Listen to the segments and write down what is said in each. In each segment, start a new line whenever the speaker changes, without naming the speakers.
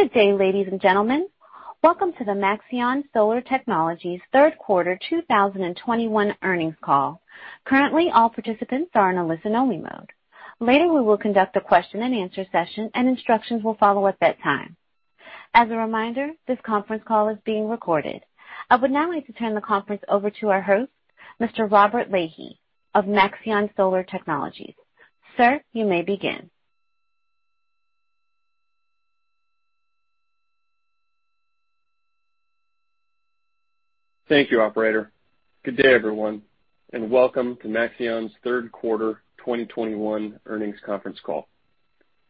Good day, ladies and gentlemen. Welcome to the Maxeon Solar Technologies third 2021 earnings call. Currently, all participants are in a listen-only mode. Later, we will conduct a question and answer session and instructions will follow at that time. As a reminder, this conference call is being recorded. I would now like to turn the conference over to our host, Mr. Robert Leahey of Maxeon Solar Technologies. Sir, you may begin.
Thank you, operator. Good day, everyone, and welcome to Maxeon's Q3 2021 earnings conference call.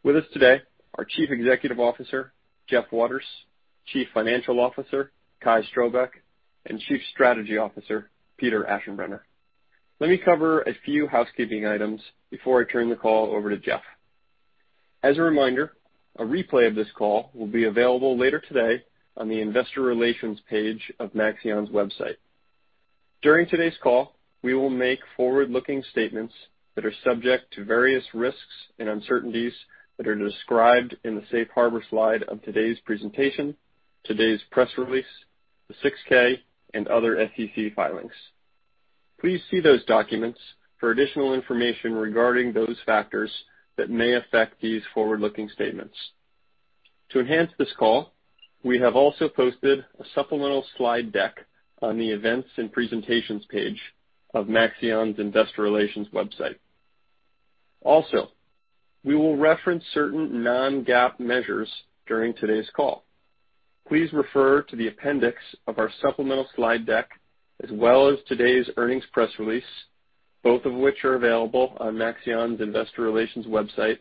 With us today are Chief Executive Officer, Jeff Waters, Chief Financial Officer, Kai Strohbecke, and Chief Strategy Officer, Peter Aschenbrenner. Let me cover a few housekeeping items before I turn the call over to Jeff. As a reminder, a replay of this call will be available later today on the investor relations page of Maxeon's website. During today's call, we will make forward-looking statements that are subject to various risks and uncertainties that are described in the Safe Harbor slide of today's presentation, today's press release, the 6-K and other SEC filings. Please see those documents for additional information regarding those factors that may affect these forward-looking statements. To enhance this call, we have also posted a supplemental slide deck on the events and presentations page of Maxeon's investor relations website. We will reference certain non-GAAP measures during today's call. Please refer to the appendix of our supplemental slide deck as well as today's earnings press release, both of which are available on Maxeon's investor relations website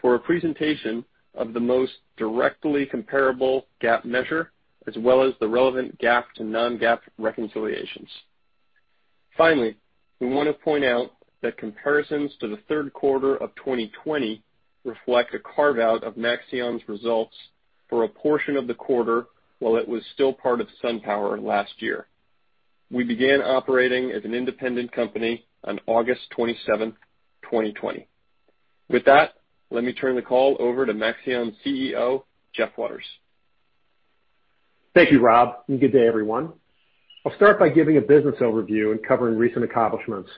for a presentation of the most directly comparable GAAP measure, as well as the relevant GAAP to non-GAAP reconciliations. We want to point out that comparisons to the Q3 of 2020 reflect a carve-out of Maxeon's results for a portion of the quarter while it was still part of SunPower. We began operating as an independent company on August 27, 2020. With that, let me turn the call over to Maxeon CEO, Jeff Waters.
Thank you, Rob, and good day, everyone. I'll start by giving a business overview and covering recent accomplishments.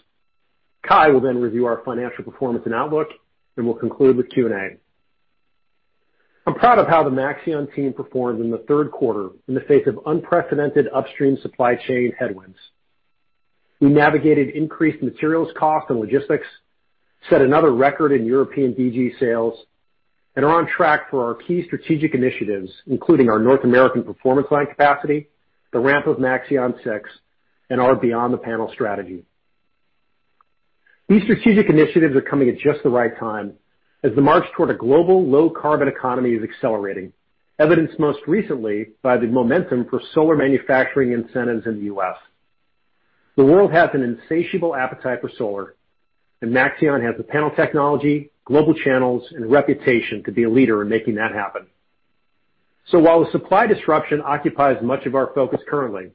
Kai will then review our financial performance and outlook, and we'll conclude with Q&A. I'm proud of how the Maxeon team performed in the third quarter in the face of unprecedented upstream supply chain headwinds. We navigated increased materials cost and logistics, set another record in European DG sales, and are on track for our key strategic initiatives, including our North American Performance line capacity, the ramp of Maxeon 6, and our Beyond the Panel strategy. These strategic initiatives are coming at just the right time as the march toward a global low carbon economy is accelerating, evidenced most recently by the momentum for solar manufacturing incentives in the U.S. The world has an insatiable appetite for solar, and Maxeon has the panel technology, global channels and reputation to be a leader in making that happen. While the supply disruption occupies much of our focus currently,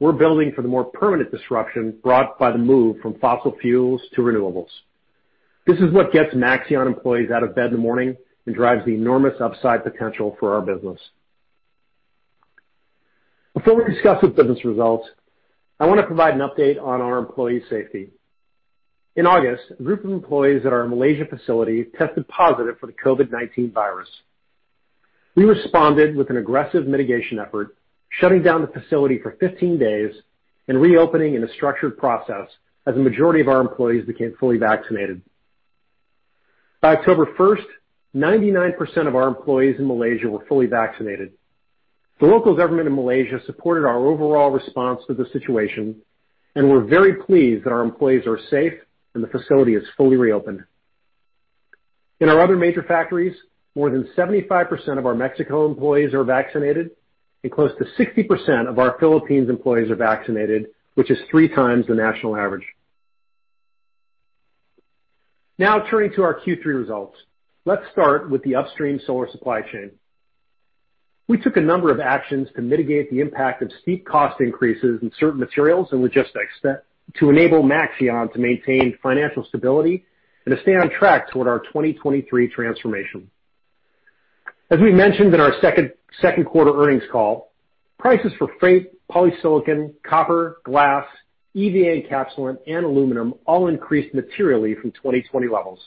we're building for the more permanent disruption brought by the move from fossil fuels to renewables. This is what gets Maxeon employees out of bed in the morning and drives the enormous upside potential for our business. Before we discuss the business results, I want to provide an update on our employee safety. In August, a group of employees at our Malaysia facility tested positive for the COVID-19 virus. We responded with an aggressive mitigation effort, shutting down the facility for 15 days and reopening in a structured process as a majority of our employees became fully vaccinated. By October 1, 99% of our employees in Malaysia were fully vaccinated. The local government in Malaysia supported our overall response to the situation, and we're very pleased that our employees are safe and the facility is fully reopened. In our other major factories, more than 75% of our Mexico employees are vaccinated and close to 60% of our Philippines employees are vaccinated, which is 3 times the national average. Now turning to our Q3 results. Let's start with the upstream solar supply chain. We took a number of actions to mitigate the impact of steep cost increases in certain materials and logistics to enable Maxeon to maintain financial stability and to stay on track toward our 2023 transformation. As we mentioned in our Q2 earnings call, prices for freight, polysilicon, copper, glass, EVA encapsulant, and aluminum all increased materially from 2020 levels.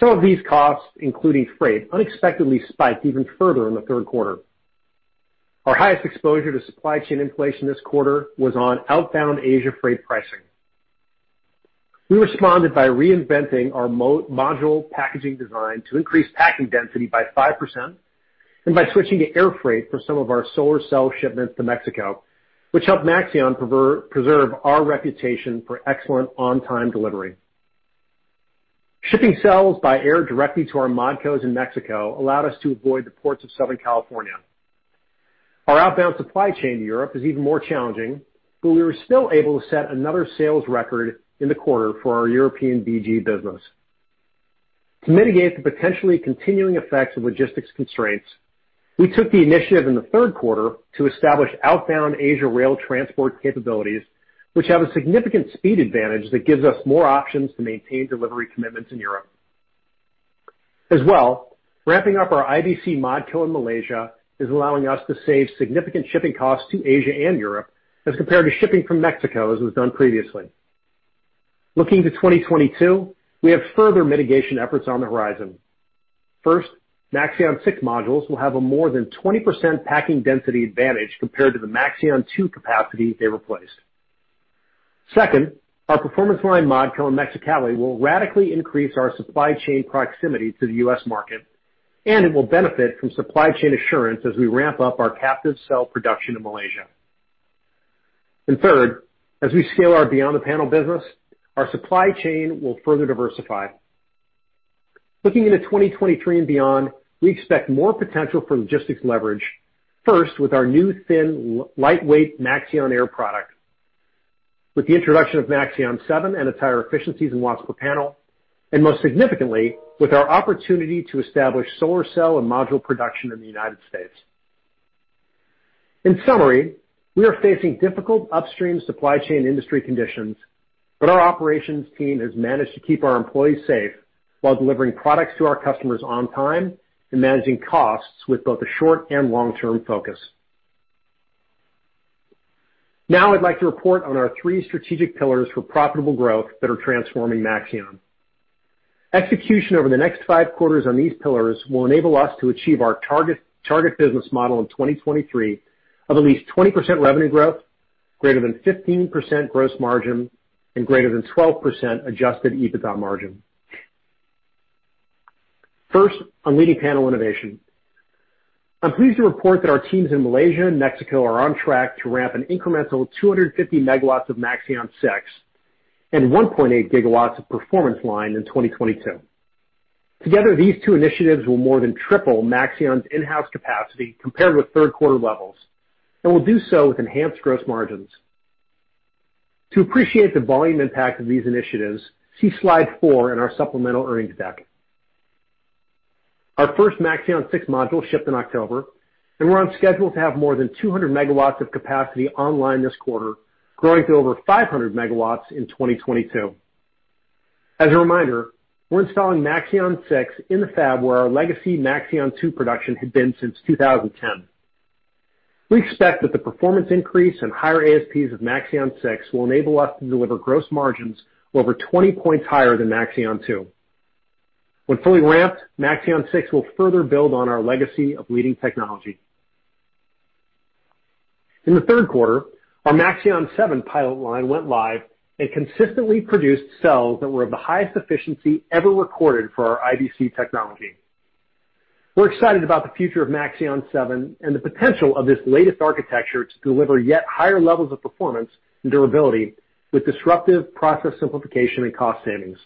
Some of these costs, including freight, unexpectedly spiked even further in the Q3. Our highest exposure to supply chain inflation this quarter was on outbound Asia freight pricing. We responded by reinventing our module packaging design to increase packing density by 5% and by switching to air freight for some of our solar cell shipments to Mexico, which helped Maxeon preserve our reputation for excellent on-time delivery. Shipping cells by air directly to our modcos in Mexico allowed us to avoid the ports of Southern California. Our outbound supply chain to Europe is even more challenging, but we were still able to set another sales record in the quarter for our European DG business. To mitigate the potentially continuing effects of logistics constraints. We took the initiative in the Q3 to establish outbound Asia rail transport capabilities, which have a significant speed advantage that gives us more options to maintain delivery commitments in Europe. As well, ramping up our IBC mod co in Malaysia is allowing us to save significant shipping costs to Asia and Europe as compared to shipping from Mexico as was done previously. Looking to 2022, we have further mitigation efforts on the horizon. First, Maxeon 6 modules will have a more than 20% packing density advantage compared to the Maxeon 2 capacity they replaced. Second, our Performance line mod co in Mexicali will radically increase our supply chain proximity to the U.S. market, and it will benefit from supply chain assurance as we ramp up our captive cell production in Malaysia. Third, as we scale our Beyond the Panel business, our supply chain will further diversify. Looking into 2023 and beyond, we expect more potential for logistics leverage, first with our new thin lightweight Maxeon Air product, with the introduction of Maxeon 7 and its higher efficiencies in watts per panel, and most significantly, with our opportunity to establish solar cell and module production in the United States. In summary, we are facing difficult upstream supply chain industry conditions, but our operations team has managed to keep our employees safe while delivering products to our customers on time and managing costs with both a short and long-term focus. Now I'd like to report on our three strategic pillars for profitable growth that are transforming Maxeon. Execution over the next five quarters on these pillars will enable us to achieve our target business model in 2023 of at least 20% revenue growth, greater than 15% gross margin, and greater than 12% adjusted EBITDA margin. First, on leading panel innovation. I'm pleased to report that our teams in Malaysia and Mexico are on track to ramp an incremental 250 MW of Maxeon 6 and 1.8 GW of Performance line in 2022. Together, these two initiatives will more than triple Maxeon's in-house capacity compared with Q3 levels and will do so with enhanced gross margins. To appreciate the volume impact of these initiatives, see slide 4 in our supplemental earnings deck. Our first Maxeon 6 module shipped in October, and we're on schedule to have more than 200 MW of capacity online this quarter, growing to over 500 MW in 2022. As a reminder, we're installing Maxeon 6 in the fab where our legacy Maxeon 2 production had been since 2010. We expect that the performance increase and higher ASPs of Maxeon 6 will enable us to deliver gross margins over 20 points higher than Maxeon 2. When fully ramped, Maxeon 6 will further build on our legacy of leading technology. In the Q3, our Maxeon 7 pilot line went live and consistently produced cells that were of the highest efficiency ever recorded for our IBC technology. We're excited about the future of Maxeon 7 and the potential of this latest architecture to deliver yet higher levels of performance and durability with disruptive process simplification and cost savings.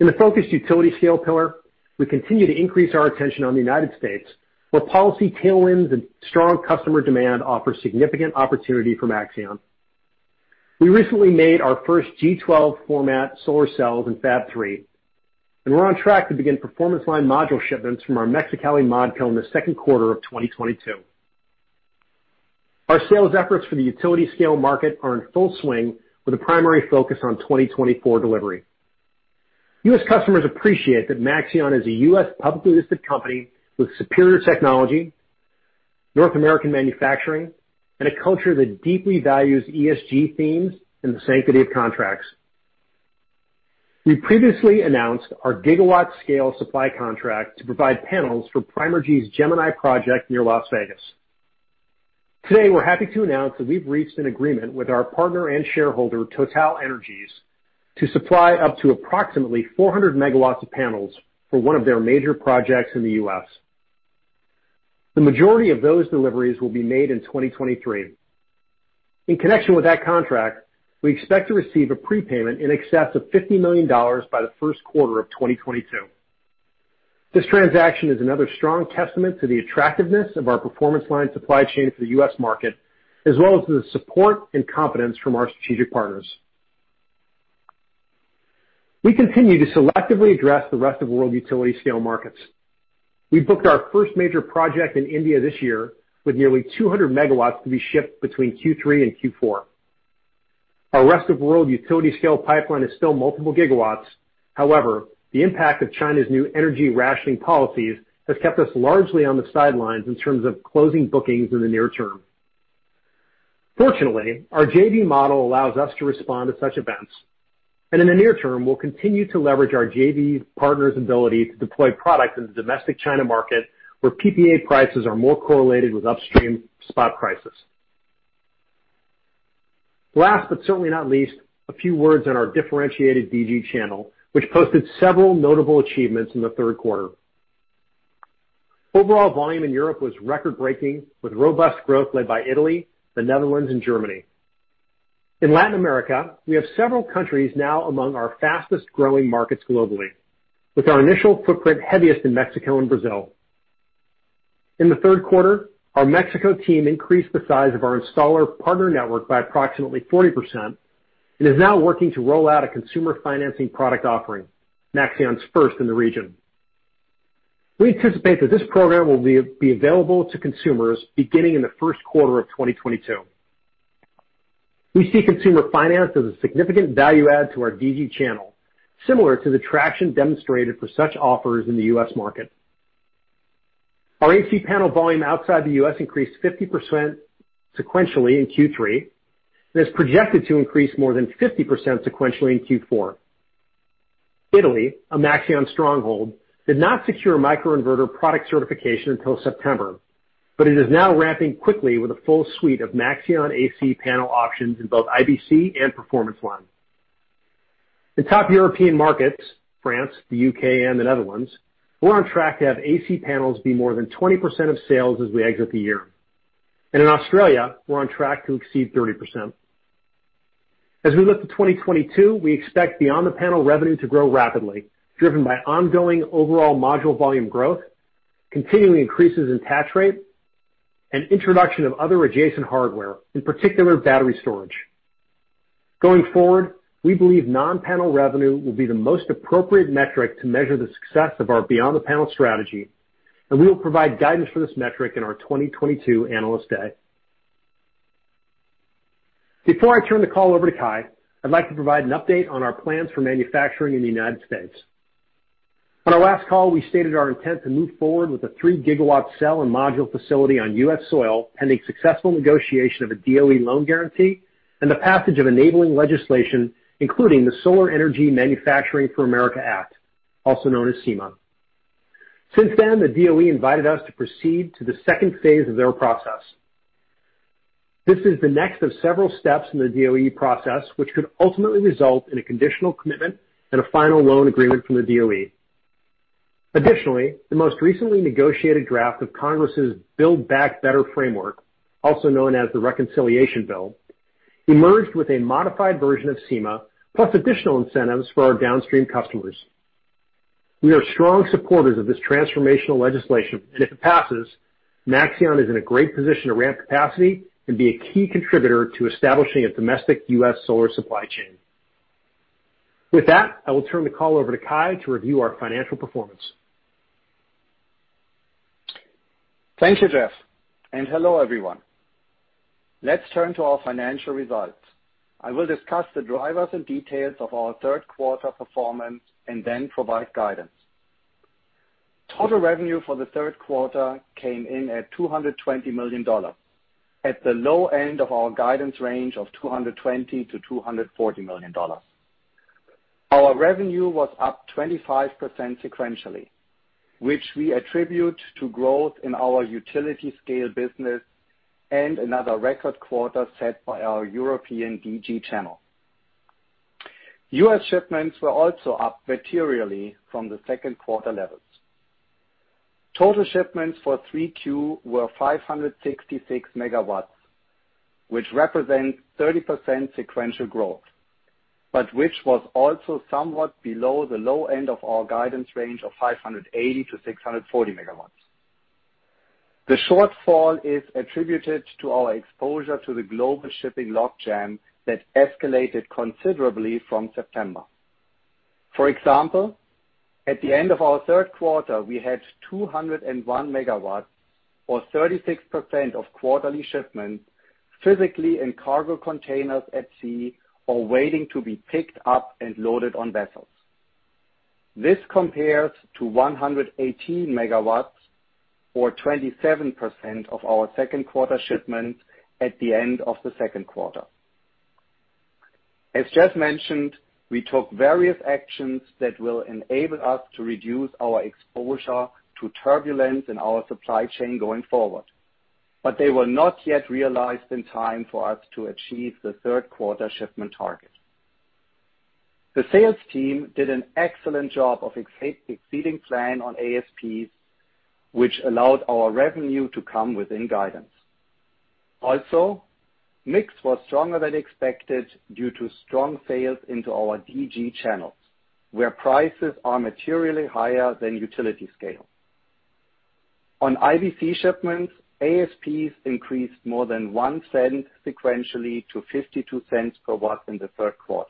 In the focused utility scale pillar, we continue to increase our attention on the United States, where policy tailwinds and strong customer demand offer significant opportunity for Maxeon. We recently made our first G12 format solar cells in Fab 3, and we're on track to begin Performance line module shipments from our Mexicali modco in the Q2 of 2022. Our sales efforts for the utility scale market are in full swing, with a primary focus on 2024 delivery. U.S. customers appreciate that Maxeon is a U.S. publicly listed company with superior technology, North American manufacturing, and a culture that deeply values ESG themes and the sanctity of contracts. We previously announced our gigawatt-scale supply contract to provide panels for 's Gemini project near Las Vegas. Today, we're happy to announce that we've reached an agreement with our partner and shareholder, to supply up to approximately 400 MW of panels for one of their major projects in the U.S. The majority of those deliveries will be made in 2023. In connection with that contract, we expect to receive a prepayment in excess of $50 million by the Q2 of 2022. This transaction is another strong testament to the attractiveness of our Performance line supply chain for the U.S. market, as well as the support and confidence from our strategic partners. We continue to selectively address the rest-of-world utility-scale markets. We booked our first major project in India this with nearly 200 MW to be shipped between Q3 and Q4. Our rest of world utility scale pipeline is still multiple GW. However, the impact of China's new energy rationing policies has kept us largely on the sidelines in terms of closing bookings in the near term. Fortunately, our JV model allows us to respond to such events. In the near term, we'll continue to leverage our JV partner's ability to deploy product in the domestic China market, where PPA prices are more correlated with upstream spot prices. Last, but certainly not least, a few words on our differentiated DG channel, which posted several notable achievements in the Q3. Overall volume in Europe was record-breaking, with robust growth led by Italy, the Netherlands, and Germany. In Latin America, we have several countries now among our fastest-growing markets globally, with our initial footprint heaviest in Mexico and Brazil. In the Q3, our Mexico team increased the size of our installer partner network by approximately 40% and is now working to roll out a consumer financing product offering, Maxeon's first in the region. We anticipate that this program will be available to consumers beginning in the Q1 of 2022. We see consumer finance as a significant value add to our DG channel, similar to the traction demonstrated for such offers in the U.S. market. Our AC panel volume outside the U.S. increased 50% sequentially in Q3 and is projected to increase more than 50% sequentially in Q4. Italy, a Maxeon stronghold, did not secure microinverter product certification until September, but it is now ramping quickly with a full suite of Maxeon AC panel options in both IBC and performance lines. In top European markets, France, the U.K., and the Netherlands, we're on track to have AC panels be more than 20% of sales as we exit the year. In Australia, we're on track to exceed 30%. As we look to 2022, we expect beyond the panel revenue to grow rapidly, driven by ongoing overall module volume growth, continuing increases in attach rate, and introduction of other adjacent hardware, in particular, battery storage. Going forward, we believe non-panel revenue will be the most appropriate metric to measure the success of our beyond the panel strategy, and we will provide guidance for this metric in our 2022 Analyst Day. Before I turn the call over to Kai, I'd like to provide an update on our plans for manufacturing in the United States. On our last call, we stated our intent to move forward with a 3-gigawatt cell and module facility on U.S. soil, pending successful negotiation of a DOE loan guarantee and the passage of enabling legislation, including the Solar Energy Manufacturing for America Act, also known as SEMA. Since then, the DOE invited us to proceed to the second phase of their process. This is the next of several steps in the DOE process, which could ultimately result in a conditional commitment and a final loan agreement from the DOE. Additionally, the most recently negotiated draft of Congress's Build Back Better framework, also known as the Reconciliation Bill, emerged with a modified version of SEMA, plus additional incentives for our downstream customers. We are strong supporters of this transformational legislation, and if it passes, Maxeon is in a great position to ramp capacity and be a key contributor to establishing a domestic U.S. solar supply chain. With that, I will turn the call over to Kai to review our financial performance.
Thank you, Jeff, and hello, everyone. Let's turn to our financial results. I will discuss the drivers and details of our Q3 performance and then provide guidance. Total revenue for the Q3 came in at $220 million, at the low end of our guidance range of $220 million-$240 million. Our revenue was up 25% sequentially, which we attribute to growth in our utility scale business and another record quarter set by our European DG channel. U.S. shipments were also up materially from the Q2 levels. Total shipments for Q3 were 566 MW, which represent 30% sequential growth, but which was also somewhat below the low end of our guidance range of 580-640 MW. The shortfall is attributed to our exposure to the global shipping logjam that escalated considerably from September. For example, at the end of our Q3, we had 201 MW or 36% of quarterly shipments physically in cargo containers at sea or waiting to be picked up and loaded on vessels. This compares to 118 MW or 27% of our Q2 shipments at the end of the Q2. As Jeff mentioned, we took various actions that will enable us to reduce our exposure to turbulence in our supply chain going forward, but they were not yet realized in time for us to achieve the Q3 shipment target. The sales team did an excellent job of exceeding plan on ASPs, which allowed our revenue to come within guidance. Also, mix was stronger than expected due to strong sales into our DG channels, where prices are materially higher than utility scale. On IBC shipments, ASPs increased more than 1 cent sequentially to $0.52 per watt in the Q3.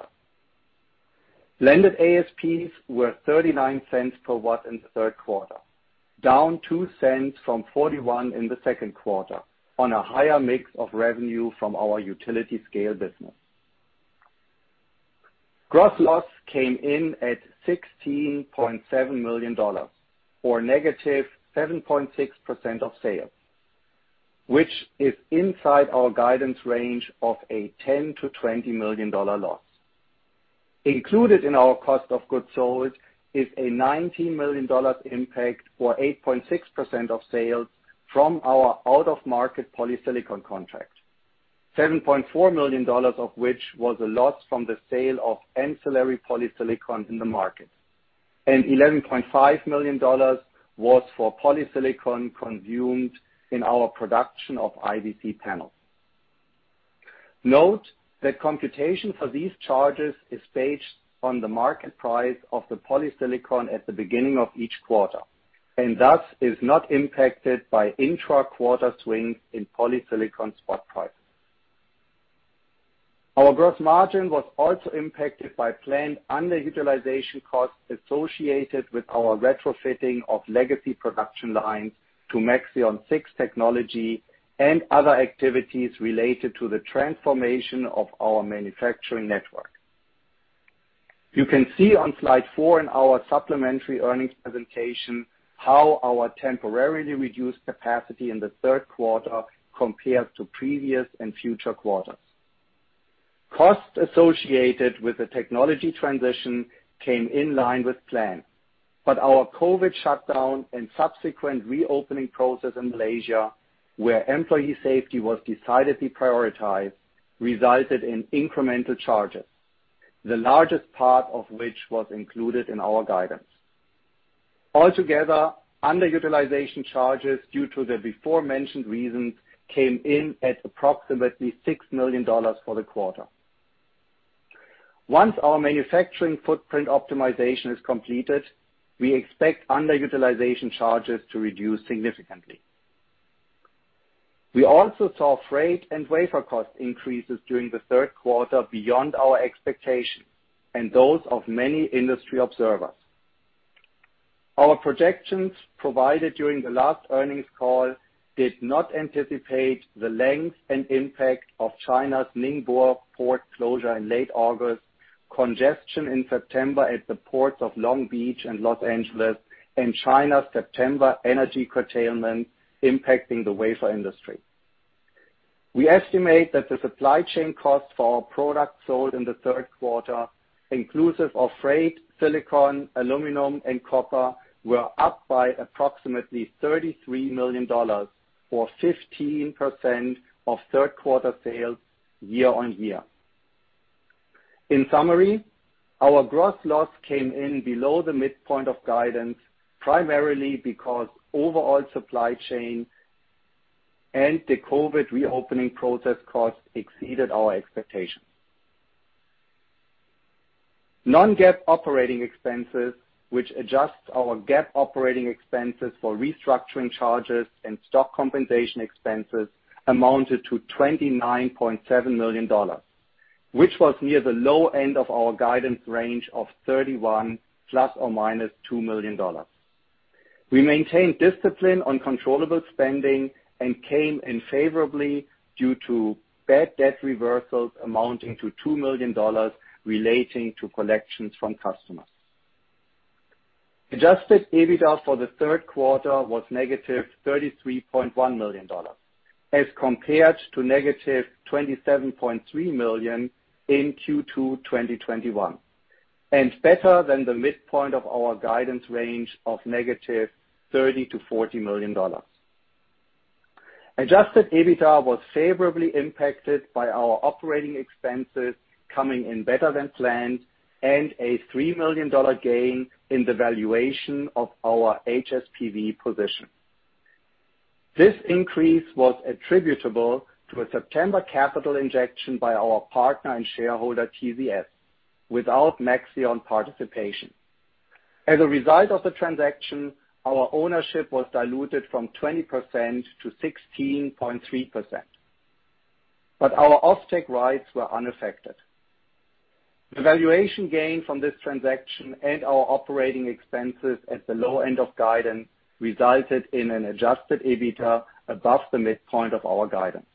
Blended ASPs were $0.39 per watt in the Q3, down 2 cents from $0.41 in the Q2 on a higher mix of revenue from our utility scale business. Gross loss came in at $16.7 million, or -7.6% of sales, which is inside our guidance range of a $10 million-$20 million loss. Included in our cost of goods sold is a $19 million impact or 8.6% of sales from our out of market polysilicon contract. $7.4 million of which was a loss from the sale of ancillary polysilicon in the market, and $11.5 million was for polysilicon consumed in our production of IBC panels. Note that computation for these charges is based on the market price of the polysilicon at the beginning of each quarter and thus is not impacted by intra-quarter swings in polysilicon spot prices. Our gross margin was also impacted by planned underutilization costs associated with our retrofitting of legacy production lines to Maxeon 6 technology and other activities related to the transformation of our manufacturing network. You can see on slide 4 in our supplementary earnings presentation how our temporarily reduced capacity in the Q3 compares to previous and future quarters. Costs associated with the technology transition came in line with plan, but our COVID shutdown and subsequent reopening process in Malaysia, where employee safety was decidedly prioritized, resulted in incremental charges, the largest part of which was included in our guidance. Altogether, underutilization charges due to the aforementioned reasons came in at approximately $6 million for the quarter. Once our manufacturing footprint optimization is completed, we expect underutilization charges to reduce significantly. We also saw freight and wafer cost increases during the Q3 beyond our expectations and those of many industry observers. Our projections provided during the last earnings call did not anticipate the length and impact of China's Ningbo port closure in late August, congestion in September at the ports of Long Beach and Los Angeles, and China's September energy curtailment impacting the wafer industry. We estimate that the supply chain costs for our products sold in the Q3, inclusive of freight, silicon, aluminum, and copper, were up by approximately $33 million, or 15% of Q3 sales year-on-year. In summary, our gross loss came in below the midpoint of guidance, primarily because overall supply chain and the COVID reopening process costs exceeded our expectations. Non-GAAP operating expenses, which adjusts our GAAP operating expenses for restructuring charges and stock compensation expenses, amounted to $29.7 million, which was near the low end of our guidance range of $31 ± 2 million. We maintained discipline on controllable spending and came in favorably due to bad debt reversals amounting to $2 million relating to collections from customers. Adjusted EBITDA for the Q3 was negative $33.1 million as compared to negative $27.3 million in Q2 2021, and better than the midpoint of our guidance range of negative $30 million-$40 million. Adjusted EBITDA was favorably impacted by our operating expenses coming in better than planned and a $3 million gain in the valuation of our HSPV position. This increase was attributable to a September capital injection by our partner and shareholder, TZS, without Maxeon participation. As a result of the transaction, our ownership was diluted from 20% to 16.3%, but our off-take rights were unaffected. The valuation gain from this transaction and our operating expenses at the low end of guidance resulted in an adjusted EBITDA above the midpoint of our guidance.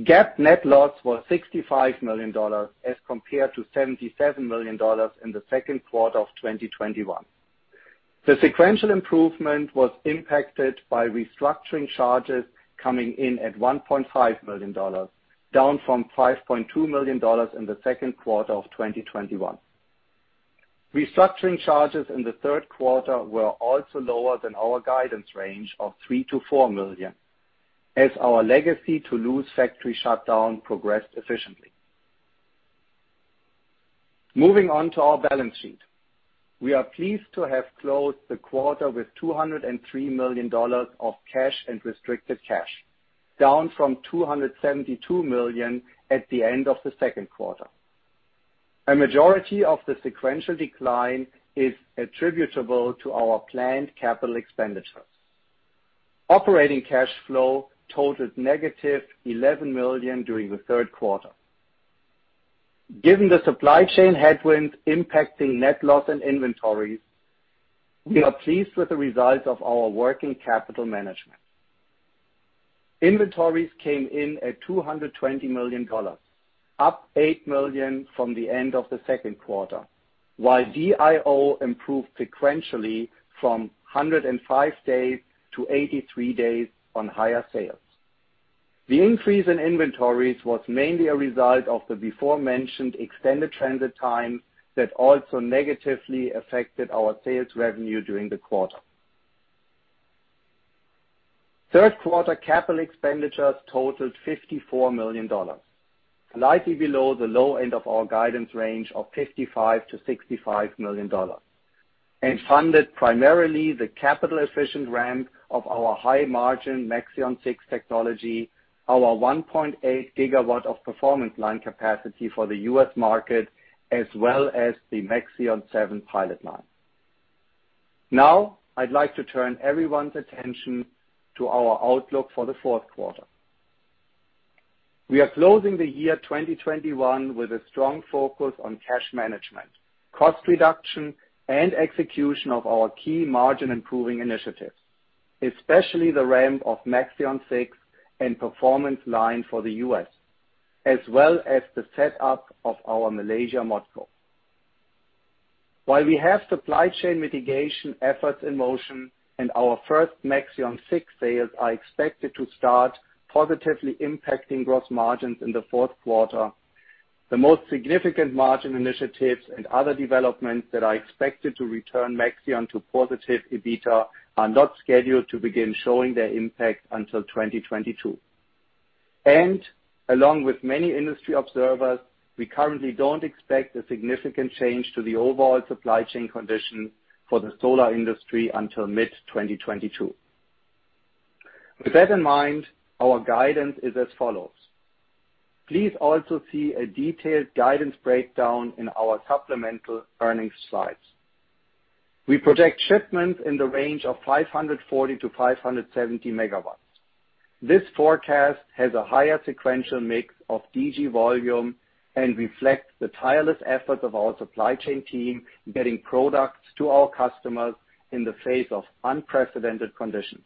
GAAP net loss was $65 million as compared to $77 million in the Q2 of 2021. The sequential improvement was impacted by restructuring charges coming in at $1.5 million, down from $5.2 million in the Q2 of 2021. Restructuring charges in the Q3 were also lower than our guidance range of $3 million-$4 million as our legacy Toulouse factory shutdown progressed efficiently. Moving on to our balance sheet. We are pleased to have closed the quarter with $203 million of cash and restricted cash, down from $272 million at the end of the Q2. A majority of the sequential decline is attributable to our planned capital expenditures. Operating cash flow totaled negative $11 million during the Q3. Given the supply chain headwinds impacting net loss and inventories, we are pleased with the results of our working capital management. Inventories came in at $220 million, up $8 million from the end of the Q2, while DIO improved sequentially from 105 days to 83 days on higher sales. The increase in inventories was mainly a result of the aforementioned extended transit times that also negatively affected our sales revenue during the quarter. Q3 capital expenditures totaled $54 million, slightly below the low end of our guidance range of $55 million-$65 million. Funded primarily the capital efficient ramp of our high margin Maxeon 6 technology, our 1.8 gigawatt of performance line capacity for the U.S. market, as well as the Maxeon 7 pilot line. Now, I'd like to turn everyone's attention to our outlook for the Q4. We are closing the year 2021 with a strong focus on cash management, cost reduction, and execution of our key margin improving initiatives, especially the ramp of Maxeon 6 and Performance line for the U.S., as well as the setup of our Malaysia modco. While we have supply chain mitigation efforts in motion and our first Maxeon 6 sales are expected to start positively impacting gross margins in the Q4, the most significant margin initiatives and other developments that are expected to return Maxeon to positive EBITDA are not scheduled to begin showing their impact until 2022. Along with many industry observers, we currently don't expect a significant change to the overall supply chain condition for the solar industry until mid-2022. With that in mind, our guidance is as follows. Please also see a detailed guidance breakdown in our supplemental earnings slides. We project shipments in the range of 540-570 MW. This forecast has a higher sequential mix of DG volume and reflects the tireless efforts of our supply chain team getting products to our customers in the face of unprecedented conditions.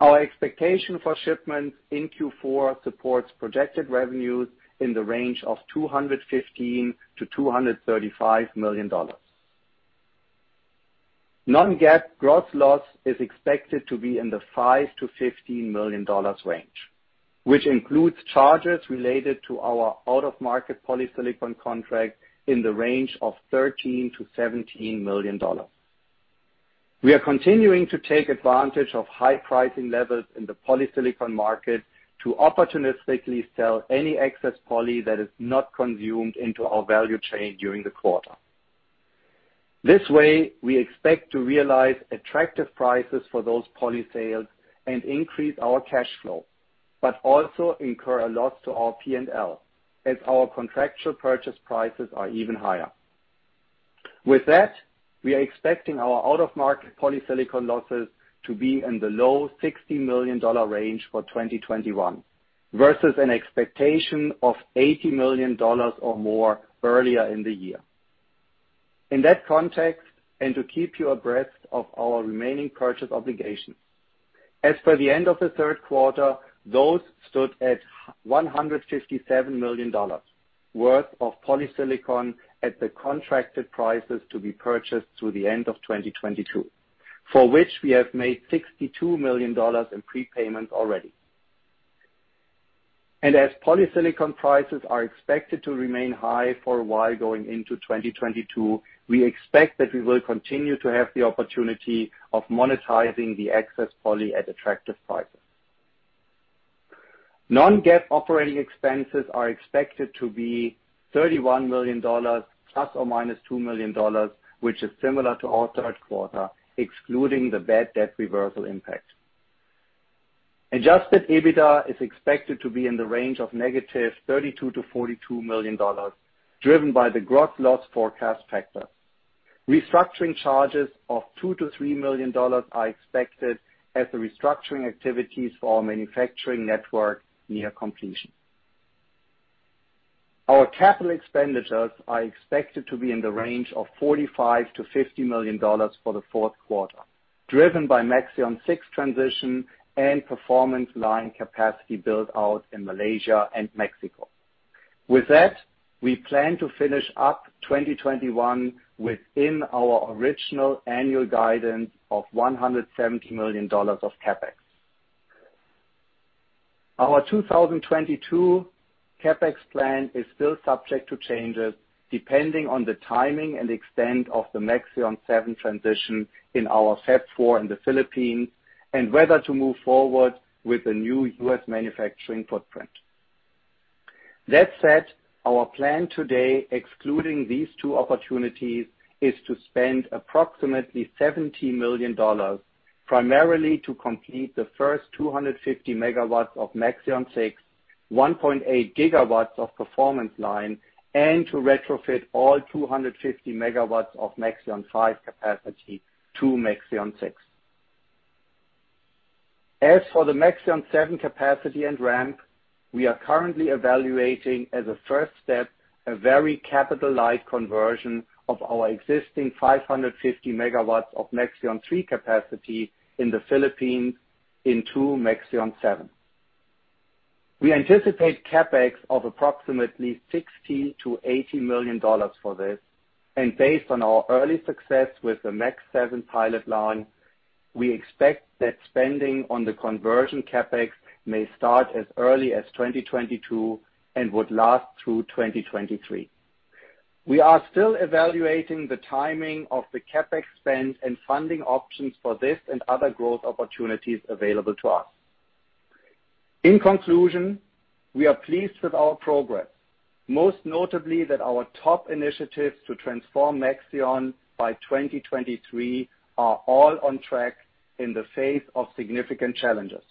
Our expectation for shipments in Q4 supports projected revenues in the range of $215 million-$235 million. Non-GAAP gross loss is expected to be in the $5 million-$15 million range, which includes charges related to our out-of-market polysilicon contract in the range of $13 million-$17 million. We are continuing to take advantage of high pricing levels in the polysilicon market to opportunistically sell any excess poly that is not consumed into our value chain during the quarter. This way, we expect to realize attractive prices for those poly sales and increase our cash flow but also incur a loss to our P&L as our contractual purchase prices are even higher. With that, we are expecting our out-of-market polysilicon losses to be in the low $60 million range for 2021, versus an expectation of $80 million or more earlier in the year. In that context, and to keep you abreast of our remaining purchase obligations, as per the end of the Q3, those stood at $157 million worth of polysilicon at the contracted prices to be purchased through the end of 2022, for which we have made $62 million in prepayments already. As polysilicon prices are expected to remain high for a while going into 2022, we expect that we will continue to have the opportunity of monetizing the excess poly at attractive prices. Non-GAAP operating expenses are expected to be $31 million ± $2 million, which is similar to our Q3, excluding the bad debt reversal impact. Adjusted EBITDA is expected to be in the range of -$32 million-$42 million, driven by the gross loss forecast factor. Restructuring charges of $2 million-$3 million are expected as the restructuring activities for our manufacturing network near completion. Our capital expenditures are expected to be in the range of $45 million-$50 million for the Q4, driven by Maxeon 6 transition and Performance line capacity build-out in Malaysia and Mexico. With that, we plan to finish up 2021 within our original annual guidance of $170 million of CapEx. Our 2022 CapEx plan is still subject to changes depending on the timing and extent of the Maxeon 7 transition in our Fab 4 in the Philippines, and whether to move forward with the new U.S. manufacturing footprint. That said, our plan today, excluding these two opportunities, is to spend approximately $70 million, primarily to complete the first 250 MW of Maxeon 6, 1.8 GW of Performance line, and to retrofit all 250 MW of Maxeon 5 capacity to Maxeon 6. As for the Maxeon 7 capacity and ramp, we are currently evaluating, as a first step, a very capital-light conversion of our existing 550 MW of Maxeon 3 capacity in the Philippines into Maxeon 7. We anticipate CapEx of approximately $60 million-$80 million for this and based on our early success with the Maxeon 7 pilot line, we expect that spending on the conversion CapEx may start as early as 2022 and would last through 2023. We are still evaluating the timing of the CapEx spend and funding options for this and other growth opportunities available to us. In conclusion, we are pleased with our progress, most notably that our top initiatives to transform Maxeon by 2023 are all on track in the face of significant challenges.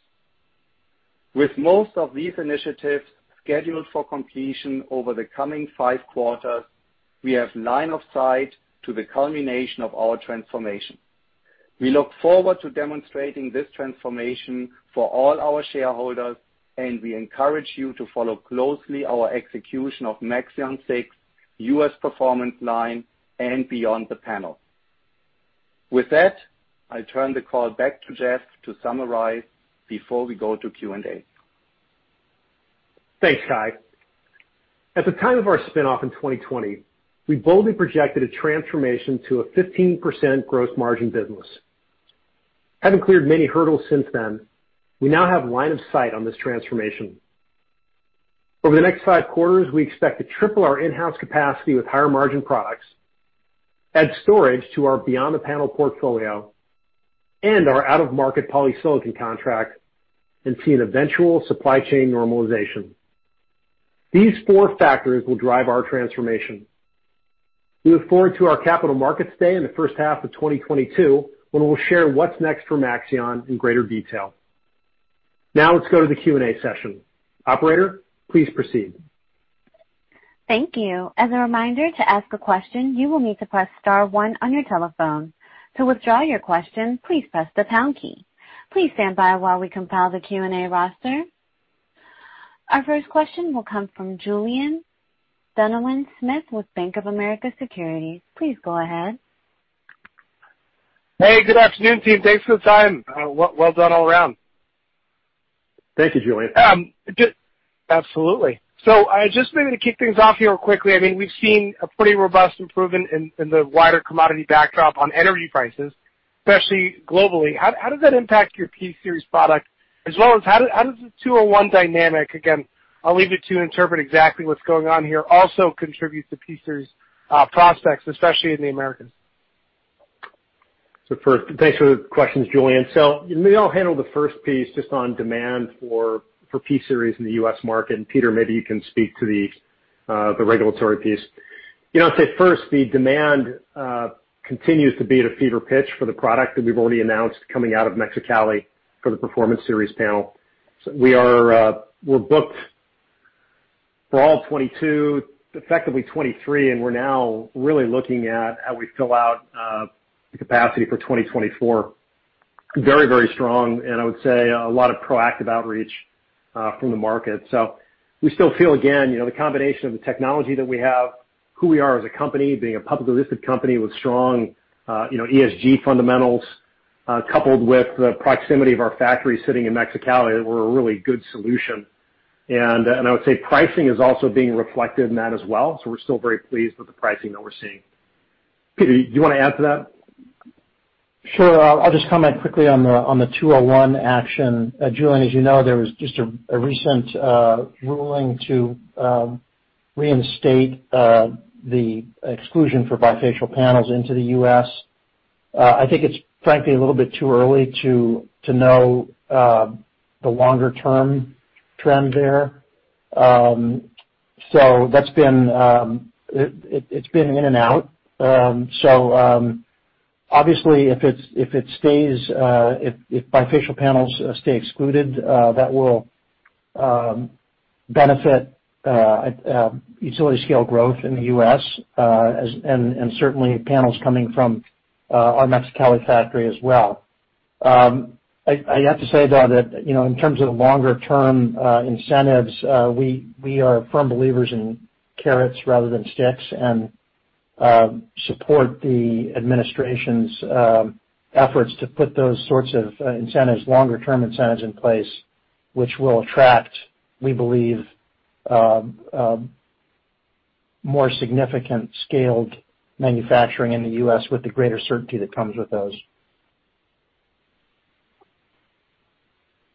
With most of these initiatives scheduled for completion over the coming Q5, we have line of sight to the culmination of our transformation. We look forward to demonstrating this transformation for all our shareholders, and we encourage you to follow closely our execution of Maxeon 6, U.S. Performance Line, and Beyond the Panel. With that, I turn the call back to Jeff to summarize before we go to Q&A.
Thanks, Kai. At the time of our spin-off in 2020, we boldly projected a transformation to a 15% gross margin business. Having cleared many hurdles since then, we now have line of sight on this transformation. Over the next Q5, we expect to triple our in-house capacity with higher margin products, add storage to our Beyond the Panel portfolio, and our out-of-market polysilicon contract and see an eventual supply chain normalization. These four factors will drive our transformation. We look forward to our Capital Markets Day in the first half of 2022, when we'll share what's next for Maxeon in greater detail. Now let's go to the Q&A session. Operator, please proceed.
Thank you. As a reminder, to ask a question, you will need to press star one on your telephone. To withdraw your question, please press the pound key. Please stand by while we compile the Q&A roster. Our first question will come from Julien Dumoulin-Smith with BofA Securities. Please go ahead.
Hey, good afternoon, team. Thanks for the time. Well, done all around.
Thank you, Julien.
Absolutely. I just maybe to kick things off here quickly, I mean, we've seen a pretty robust improvement in the wider commodity backdrop on energy prices, especially globally. How does that impact your P-Series product? As well as how does the 201 dynamic, again, I'll leave it to you to interpret exactly what's going on here, also contributes to P-Series prospects, especially in the Americas.
First, thanks for the questions, Julien. Maybe I'll handle the first piece just on demand for P-Series in the U.S. market. Peter, maybe you can speak to the regulatory piece., I'd say first, the demand continues to be at a fever pitch for the product that we've already announced coming out of Mexicali for the Performance Series panel. We're booked for all of 2022, effectively 2023, and we're now really looking at how we fill out the capacity for 2024. Very, very strong and I would say a lot of proactive outreach from the market. We still feel, again, the combination of the technology that we have, who we are as a company, being a publicly listed company with strong, ESG fundamentals, coupled with the proximity of our factory sitting in Mexicali, that we're a really good solution. I would say pricing is also being reflected in that as well. We're still very pleased with the pricing that we're seeing. Peter, do you wanna add to that?
Sure. I'll just comment quickly on the 201 action. Julien, as you know, there was just a recent ruling to reinstate the exclusion for bifacial panels into the U.S. I think it's frankly a little bit too early to know the longer-term trend there. So that's been in and out. So obviously, if it stays, if bifacial panels stay excluded, that will benefit utility-scale growth in the U.S., as, and certainly panels coming from our Mexicali factory as well. I have to say though that, in terms of longer term incentives, we are firm believers in carrots rather than sticks and support the administration's efforts to put those sorts of incentives, longer term incentives in place, which will attract, we believe, more significant scaled manufacturing in the U.S. with the greater certainty that comes with those.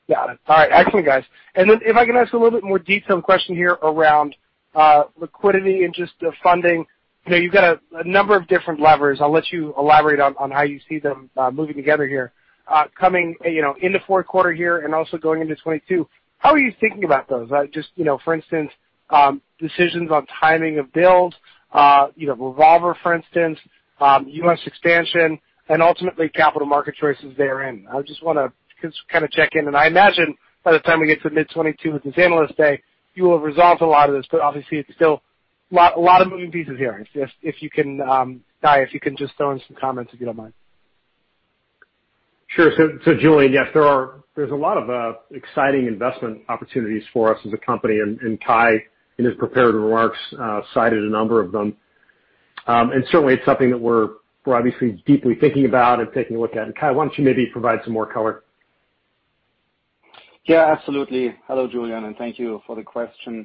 Got it. All right. Excellent, guys. Then if I can ask a little bit more detailed question here around liquidity and just the funding. You know, you've got a number of different levers. I'll let you elaborate on how you see them moving together here. Coming, in the Q4 here and also going into 2022, how are you thinking about those? Just, for instance, decisions on timing of build, revolver, for instance, U.S. expansion and ultimately capital market choices therein. I just wanna kinda check in, and I imagine by the time we get to mid-2022 with this Analyst Day, you will resolve a lot of this, but obviously it's still a lot of moving pieces here. If you can, Kai, just throw in some comments, if you don't mind.
Sure. Julien, yes, there's a lot of exciting investment opportunities for us as a company and Kai in his prepared remarks cited a number of them. Certainly, it's something that we're obviously deeply thinking about and taking a look at. Kai, why don't you maybe provide some more color?
Yeah, absolutely. Hello, Julien, and thank you for the question.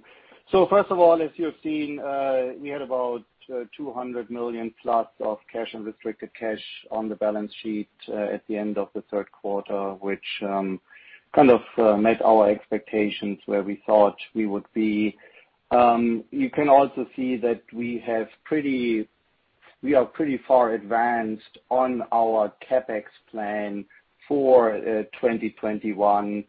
First of all, as you have seen, we had about $200 million plus of cash, unrestricted cash on the balance sheet, at the end of the Q3, which met our expectations where we thought we would be. You can also see that we are pretty far advanced on our CapEx plan for 2021.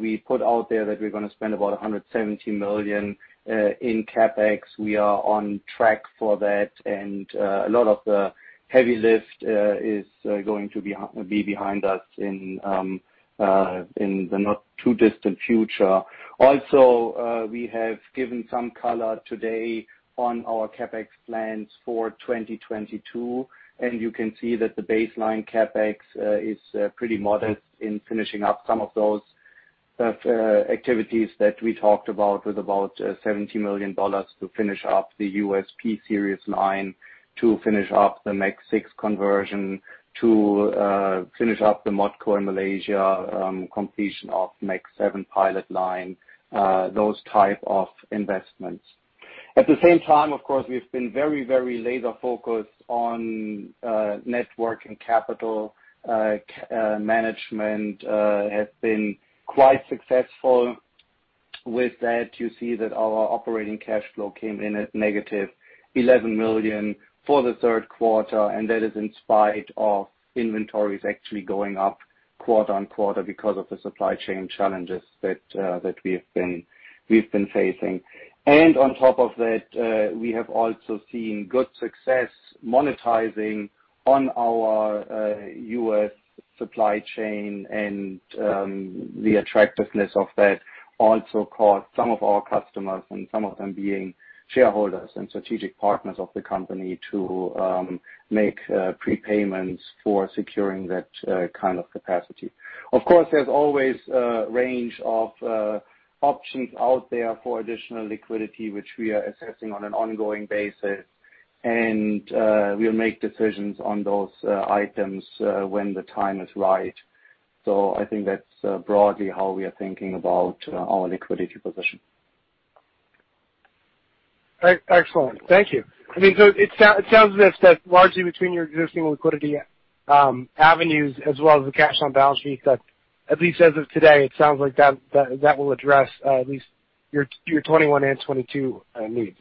We put out there that we're gonna spend about $170 million in CapEx. We are on track for that, and a lot of the heavy lift is going to be behind us in the not-too-distant future. We have given some color today on our CapEx plans for 2022, and you can see that the baseline CapEx is pretty modest in finishing up some of those activities that we talked about with about $70 million to finish up the U.S. P-Series line, to finish up the Maxeon 6 conversion, to finish up the modco in Malaysia, completion of Maxeon 7 pilot line, those type of investments. At the same time, of course, we've been very, very laser focused on network and capital management has been quite successful with that. You see that our operating cash flow came in at negative $11 million for the Q3, and that is in spite of inventories actually going up quarter-on-quarter because of the supply chain challenges that we have been facing. On top of that, we have also seen good success monetizing on our U.S. supply chain and the attractiveness of that also caused some of our customers, and some of them being shareholders and strategic partners of the company, to make prepayments for securing that kind of capacity. Of course, there's always a range of options out there for additional liquidity, which we are assessing on an ongoing basis. We'll make decisions on those items when the time is right. I think that's broadly how we are thinking about our liquidity position.
Excellent. Thank you. I mean, so it sounds as if that largely between your existing liquidity avenues as well as the cash on balance sheet, that at least as of today, it sounds like that will address at least your 2021 and 2022 needs,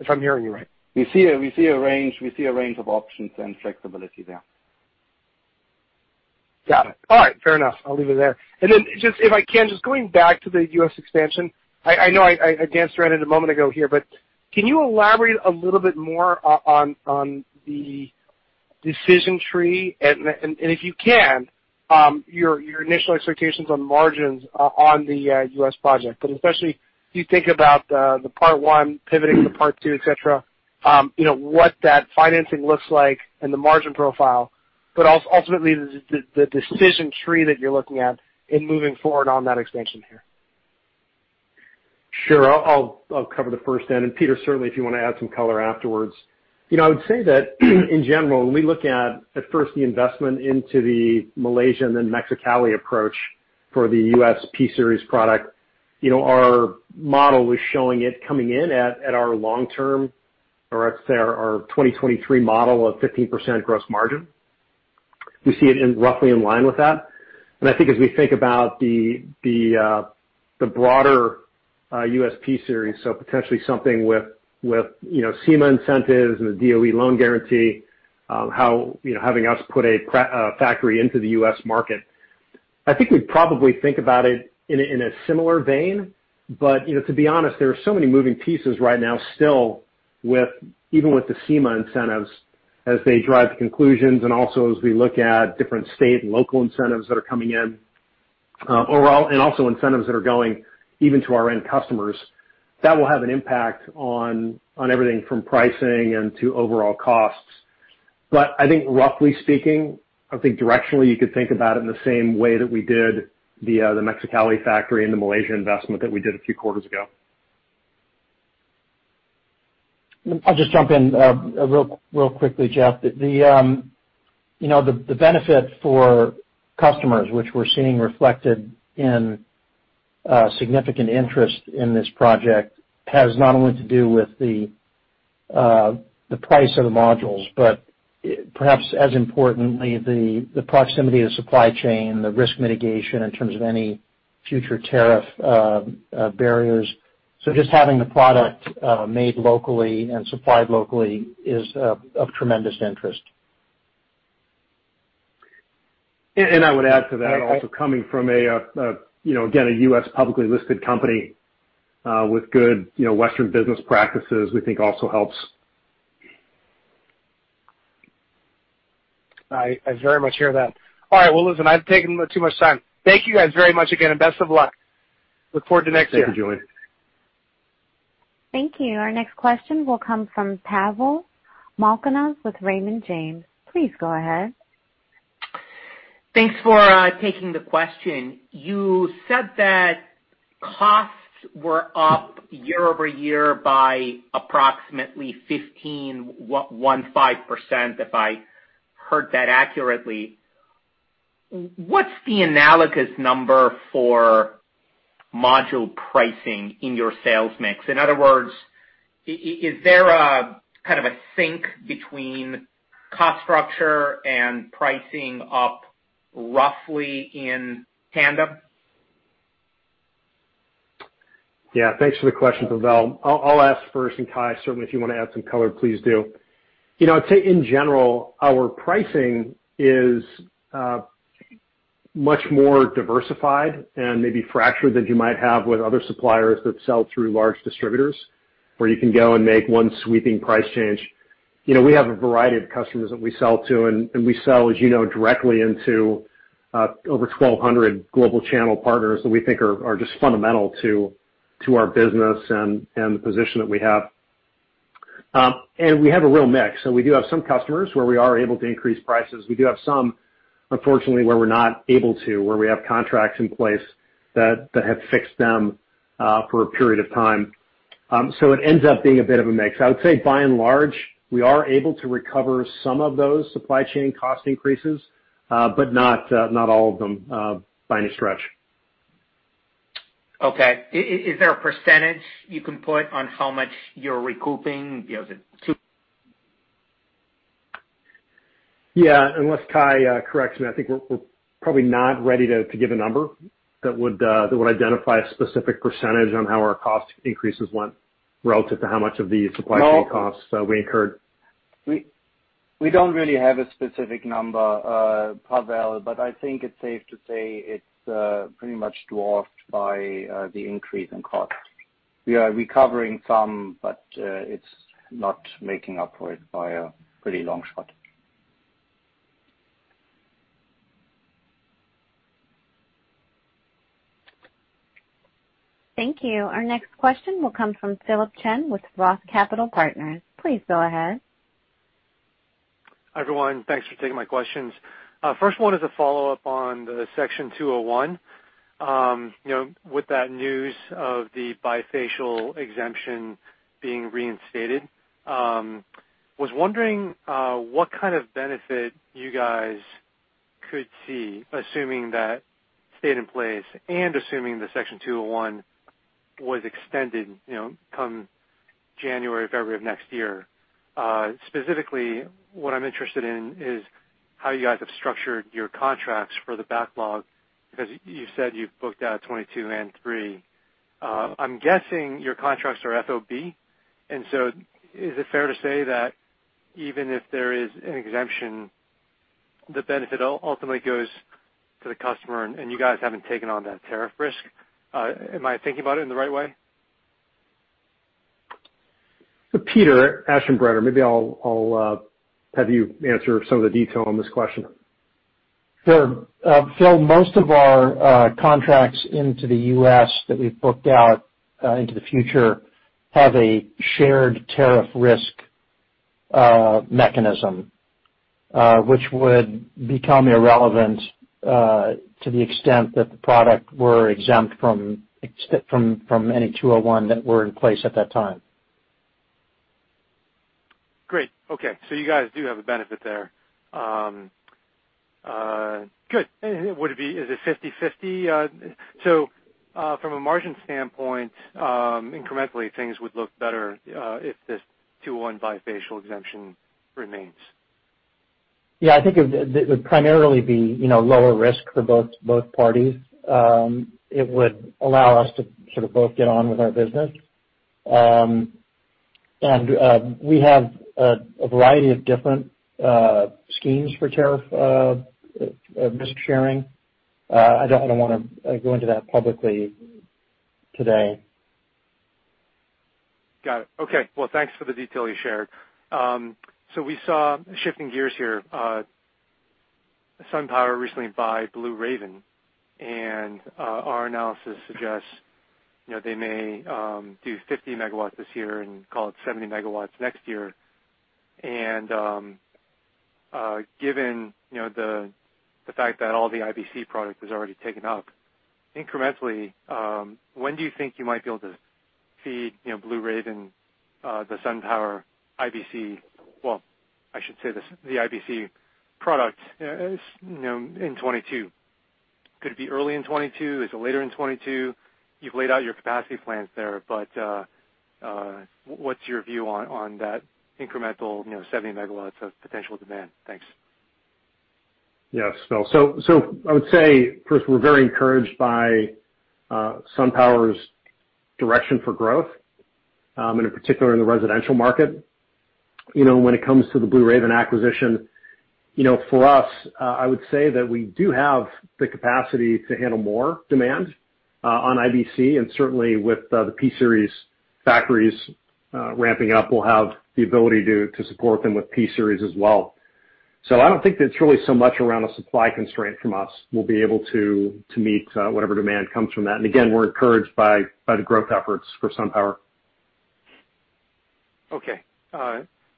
if I'm hearing you right.
We see a range of options and flexibility there.
Got it. All right, fair enough, I'll leave it there. Then just if I can, just going back to the U.S. expansion. I know I danced around it a moment ago here, but can you elaborate a little bit more on the decision tree? If you can, your initial expectations on margins on the U.S. project, but especially as you think about the part one pivoting to part two, et cetera, what that financing looks like and the margin profile, but ultimately the decision tree that you're looking at in moving forward on that expansion here.
Sure. I'll cover the first end, and Peter, certainly, if you wanna add some color afterwards. You know, I would say that in general, when we look at first the investment into the Malaysia and then Mexicali approach for the U.S. P-Series product, our model was showing it coming in at our long term or I'd say our 2023 model of 15% gross margin. We see it roughly in line with that. I think as we think about the broader U.S. P-Series, so potentially something with, SEMA incentives and the DOE loan guarantee, how, having us put a factory into the U.S. market. I think we'd probably think about it in a similar vein, but to be honest, there are so many moving pieces right now still with even with the SEMA incentives as they drive to conclusions, and also as we look at different state and local incentives that are coming in overall, and also incentives that are going even to our end customers, that will have an impact on everything from pricing and to overall costs. I think roughly speaking, I think directionally you could think about it in the same way that we did the Mexicali factory and the Malaysia investment that we did a few quarters ago.
I'll just jump in real quickly, Jeff. The benefit for customers, which we're seeing reflected in significant interest in this project, has not only to do with the price of the modules, but perhaps as importantly, the proximity to supply chain, the risk mitigation in terms of any future tariff barriers. Just having the product made locally and supplied locally is of tremendous interest.
I would add to that also coming from a, again, a U.S. publicly listed company, with good, Western business practices, we think also helps.
I very much hear that. All right, well, listen, I've taken too much time. Thank you guys very much again, and best of luck. I look forward to next year.
Thank you.
Thank you for joining.
Thank you. Our next question will come from Pavel Molchanov with Raymond James & Associates. Please go ahead.
Thanks for taking the question. You said that costs were up year-over-year by approximately 15.15%, if I heard that accurately. What's the analogous number for module pricing in your sales mix? In other words, is there a kind of a sync between cost structure and pricing up roughly in tandem?
Yeah. Thanks for the question, Pavel. I'll ask first and Kai, certainly if you wanna add some color, please do. You know, I'd say in general, our pricing is much more diversified and maybe fractured than you might have with other suppliers that sell through large distributors, where you can go and make one sweeping price change. You know, we have a variety of customers that we sell to, and we sell as you know, directly into over 1,200 global channel partners that we think are just fundamental to our business and the position that we have. We have a real mix, and we do have some customers where we are able to increase prices. We do have some, unfortunately, where we're not able to, where we have contracts in place that have fixed them, for a period of time. It ends up being a bit of a mix. I would say by and large, we are able to recover some of those supply chain cost increases, but not all of them, by any stretch.
Okay. Is there a percentage you can put on how much you're recouping? You know, is it two-
Yeah. Unless Kai corrects me, I think we're probably not ready to give a number that would identify a specific percentage on how our cost increases went relative to how much of the supply chain costs we incurred.
We don't really have a specific number, Pavel, but I think it's safe to say it's pretty much dwarfed by the increase in cost. We are recovering some, but it's not making up for it by a pretty long shot.
Thank you. Our next question will come from Philip Shen with Roth Capital Partners. Please go ahead.
Hi, everyone. Thanks for taking my questions. First one is a follow-up on the Section 201. You know, with that news of the bifacial exemption being reinstated, was wondering what kind of benefit you guys could see, assuming that stayed in place and assuming the Section 201 was extended, come January, February of next year. Specifically, what I'm interested in is how you guys have structured your contracts for the backlog, because you said you've booked out 2022 and 2023. I'm guessing your contracts are FOB, and so is it fair to say that even if there is an exemption, the benefit ultimately goes to the customer and you guys haven't taken on that tariff risk? Am I thinking about it in the right way?
Peter Aschenbrenner, maybe I'll have you answer some of the detail on this question.
Sure. Phil, most of our contracts into the U.S. that we've booked out into the future have a shared tariff risk mechanism, which would become irrelevant to the extent that the product were exempt from any 201 that were in place at that time.
Great. Okay. You guys do have a benefit there. Good. Would it be, is it 50/50? From a margin standpoint, incrementally things would look better if this Section 201 bifacial exemption remains.
Yeah. I think it would primarily be, lower risk for both parties. It would allow us to sort of both get on with our business. We have a variety of different schemes for tariff risk sharing. I don't wanna go into that publicly today.
Got it. Okay. Well, thanks for the detail you shared. So we saw, shifting gears here, SunPower recently buy, and our analysis suggests, they may do 50 MW this year and call it 70 MW next year. Given, the fact that all the IBC product is already taken up, incrementally, when do you think you might be able to feed, the IBC product, in 2022. Could it be early in 2022? Is it later in 2022? You've laid out your capacity plans there, but what's your view on that incremental, 70 MW of potential demand? Thanks.
Yes. Phil. I would say first, we're very encouraged by SunPower's direction for growth, and in particular in the residential market. You know, when it comes to the Blue Raven acquisition, for us, I would say that we do have the capacity to handle more demand on IBC and certainly with the P-Series factories ramping up, we'll have the ability to support them with P-Series as well. I don't think that it's really so much around a supply constraint from us. We'll be able to meet whatever demand comes from that. Again, we're encouraged by the growth efforts for SunPower.
Okay.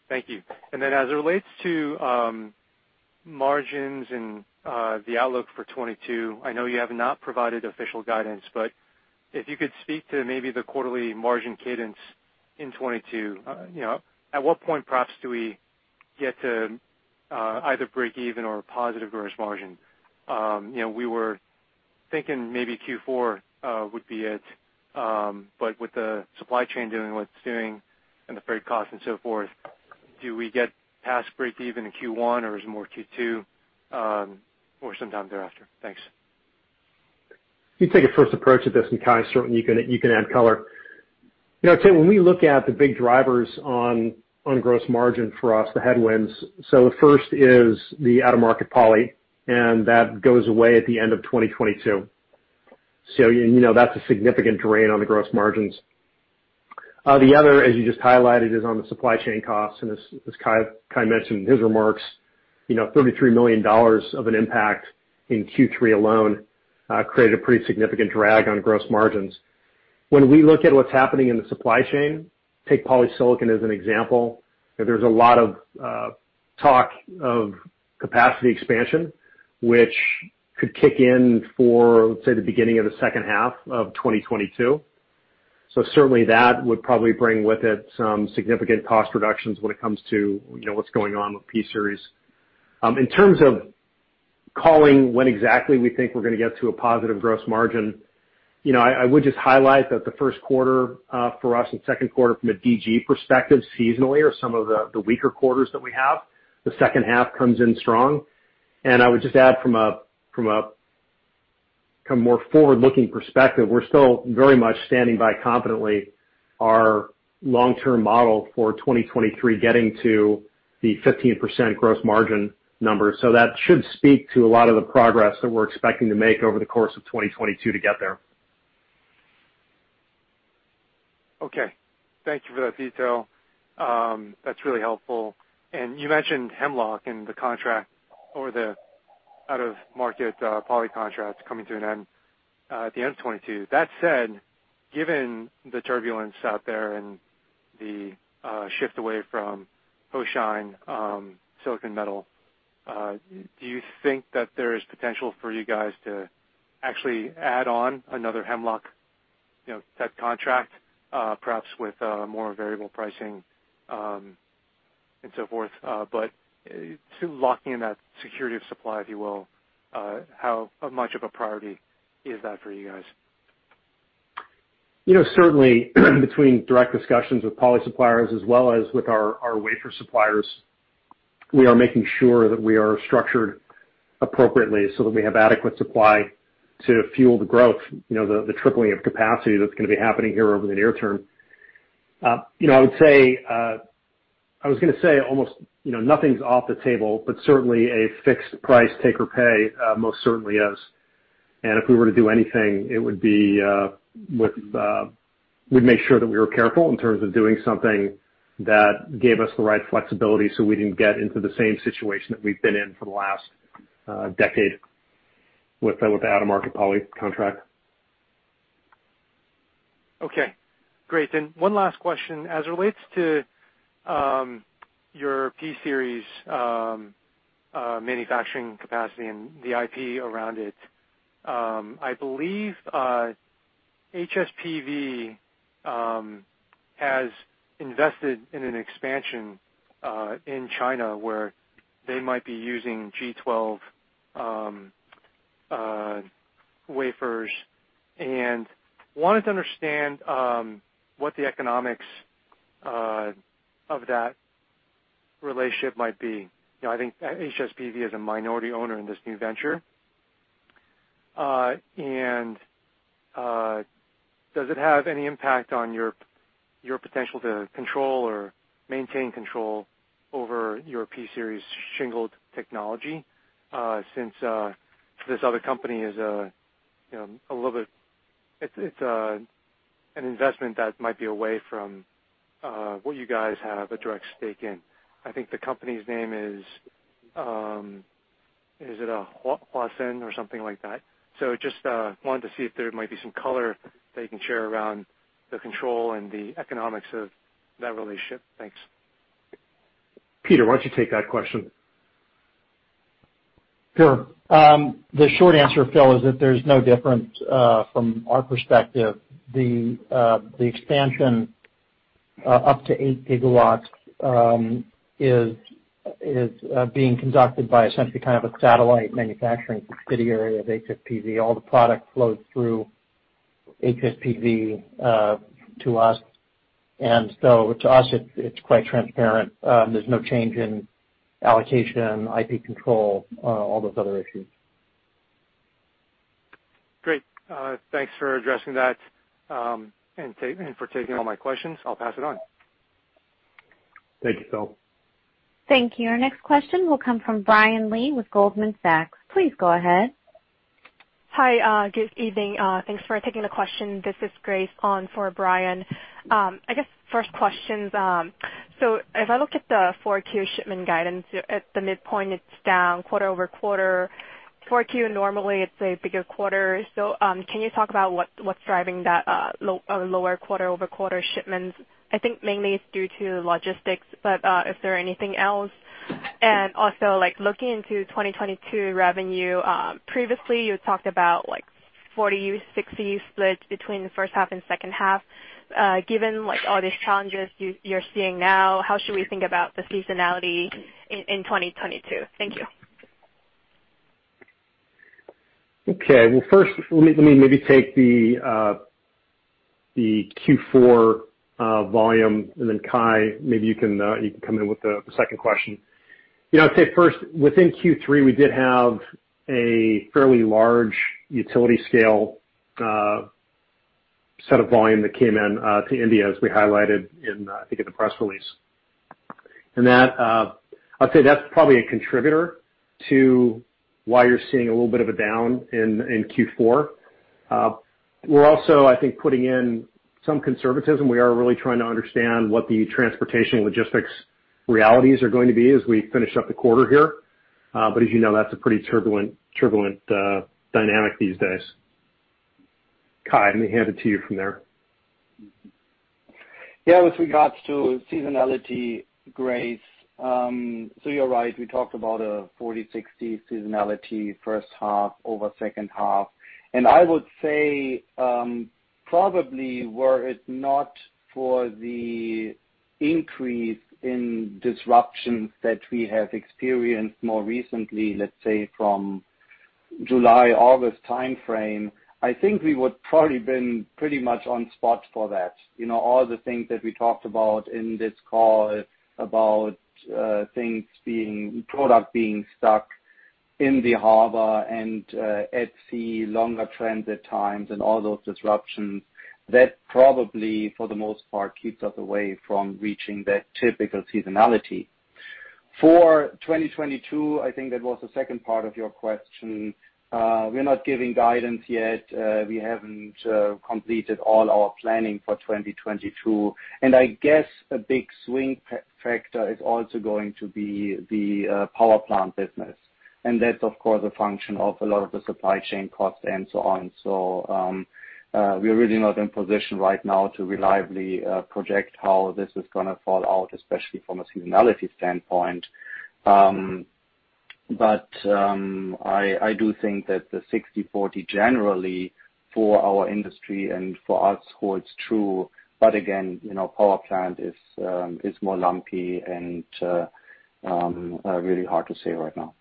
Thank you. As it relates to margins and the outlook for 2022, I know you have not provided official guidance, but if you could speak to maybe the quarterly margin cadence in 2022. You know, at what point perhaps do we get to either breakeven or a positive gross margin? You know, we were thinking maybe Q4 would be it, but with the supply chain doing what it's doing and the freight costs and so forth. Do we get past breakeven in Q1 or is it more Q2, or sometime thereafter? Thanks.
Let me take a first approach at this, and Kai, certainly you can add color. You know, Phil, when we look at the big drivers on gross margin for us, the headwinds, so the first is the out-of-market poly, and that goes away at the end of 2022. You know, that's a significant drain on the gross margins. The other, as you just highlighted, is on the supply chain costs, and as Kai mentioned in his remarks, $33 million of an impact in Q3 alone, created a pretty significant drag on gross margins. When we look at what's happening in the supply chain, take polysilicon as an example, there's a lot of talk of capacity expansion, which could kick in for, say, the beginning of the second half of 2022. Certainly, that would probably bring with it some significant cost reductions when it comes to, what's going on with P-Series. In terms of calling when exactly we think we're gonna get to a positive gross margin, I would just highlight that the Q1 and Q2 from a DG perspective seasonally are some of the weaker quarters that we have. The second half comes in strong. I would just add from a kind of more forward-looking perspective, we're still very much standing by confidently our long-term model for 2023 getting to the 15% gross margin number. That should speak to a lot of the progress that we're expecting to make over the course of 2022 to get there.
Okay. Thank you for that detail. That's really helpful. You mentioned Hemlock and the contract or the out-of-market poly contracts coming to an end at the end of 2022. That said, given the turbulence out there and the shift away from Hoshine silicon metal, do you think that there is potential for you guys to actually add on another Hemlock, type contract, perhaps with more variable pricing and so forth? But to locking in that security of supply, if you will, how much of a priority is that for you guys?
You know, certainly between direct discussions with poly suppliers as well as with our wafer suppliers, we are making sure that we are structured appropriately so that we have adequate supply to fuel the growth, the tripling of capacity that's gonna be happening here over the near term. You know, I would say nothing's off the table, but certainly a fixed price take or pay most certainly is. If we were to do anything, it would be we'd make sure that we were careful in terms of doing something that gave us the right flexibility, so we didn't get into the same situation that we've been in for the last decade with the out-of-market poly contract.
Okay, great. One last question. As it relates to your P-Series manufacturing capacity and the IP around it, I believe HSPV has invested in an expansion in China, where they might be using G12 wafers. Wanted to understand what the economics of that relationship might be. You know, I think HSPV is a minority owner in this new venture. Does it have any impact on your potential to control or maintain control over your P-Series shingled technology, since this other company is, a little bit. It's an investment that might be away from what you guys have a direct stake in. I think the company's name is it Huansheng or something like that? Just wanted to see if there might be some color that you can share around the control and the economics of that relationship. Thanks.
Peter, why don't you take that question?
Sure. The short answer, Phil, is that there's no difference from our perspective. The expansion up to 8 GW is being conducted by essentially kind of a satellite manufacturing subsidiary of HSPV. All the product flows through HSPV to us. To us it's quite transparent. There's no change in allocation, IP control, all those other issues.
Great. Thanks for addressing that and for taking all my questions. I'll pass it on.
Thank you, Phil.
Thank you. Our next question will come from Brian Lee with Goldman Sachs. Please go ahead.
Hi, good evening. Thanks for taking the question. This is Grace on for Brian. I guess first questions. As I look at the 4Q shipment guidance, at the midpoint, it's down quarter-over-quarter. 4Q normally is a bigger quarter. Can you talk about what's driving that lower quarter-over-quarter shipments? I think mainly it's due to logistics, but is there anything else? Also, like, looking into 2022 revenue, previously you talked about, like, 40-60 split between the first half and second half. Given, like, all these challenges you're seeing now, how should we think about the seasonality in 2022? Thank you.
Okay. Well, first, let me maybe take the Q4 volume and then Kai, maybe you can come in with the second question. You know, I'd say first, within Q3, we did have a fairly large utility scale set of volume that came into India as we highlighted in, I think, the press release. That, I'd say that's probably a contributor to why you're seeing a little bit of a down in Q4. We're also, I think, putting in some conservatism. We are really trying to understand what the transportation logistics realities are going to be as we finish up the quarter here. But as that's a pretty turbulent dynamic these days. Kai, let me hand it to you from there.
Yeah, with regards to seasonality, Grace, so you're right, we talked about a 40/60 seasonality first half over second half. I would say, probably were it not for the increase in disruptions that we have experienced more recently, let's say from July-August timeframe, I think we would probably been pretty much on spot for that. You know, all the things that we talked about in this call about things, product being stuck in the harbor and at sea, longer transit times and all those disruptions, that probably for the most part keeps us away from reaching that typical seasonality. For 2022, I think that was the second part of your question, we're not giving guidance yet. We haven't completed all our planning for 2022. I guess a big swing factor is also going to be the power plant business. That's of course a function of a lot of the supply chain costs and so on. We're really not in position right now to reliably project how this is gonna fall out, especially from a seasonality standpoint. I do think that the 60/40 generally for our industry and for us holds true. Again, power plant is more lumpy and really hard to say right now.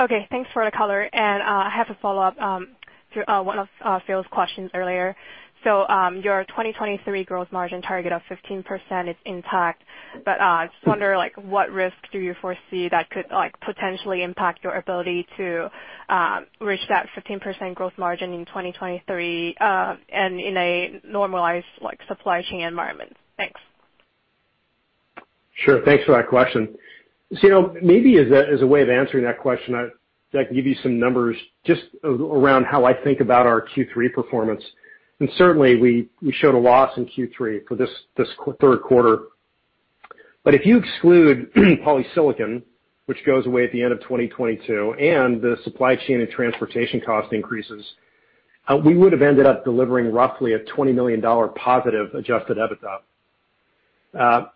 Okay. Thanks for the color. I have a follow-up to one of Phil's questions earlier. Your 2023 growth margin target of 15% is intact, but I just wonder like what risk do you foresee that could like potentially impact your ability to reach that 15% growth margin in 2023 and in a normalized like supply chain environment? Thanks.
Sure. Thanks for that question. Maybe as a way of answering that question, I'd like give you some numbers just around how I think about our Q3 performance. Certainly, we showed a loss in Q3 for this Q3. If you exclude polysilicon, which goes away at the end of 2022, and the supply chain and transportation cost increases, we would have ended up delivering roughly a $20 million positive adjusted EBITDA.